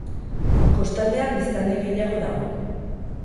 Kostaldean biztanle gehiago dago.